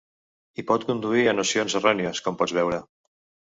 I pot conduir a nocions errònies, com pots veure.